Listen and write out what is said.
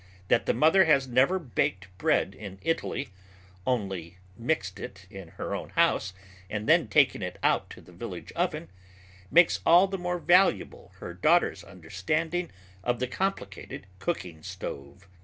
That the mother has never baked bread in Italy only mixed it in her own house and then taken it out to the village oven makes all the more valuable her daughter's understanding of the complicated cooking stove.